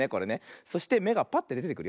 そしてめがぱってでてくるよ。